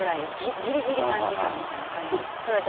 ギリギリ３時間みたいな感じなんですけどそれは大丈夫？